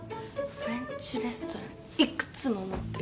フレンチレストランいくつも持ってる。